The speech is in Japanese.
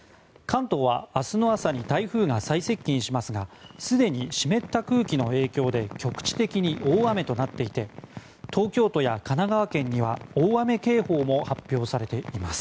明日の朝に台風は最接近しますがすでに湿った空気の影響で局地的に大雨となっていて東京都や神奈川県には大雨警報も発表されております。